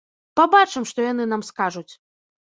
Пабачым, што яны нам скажуць.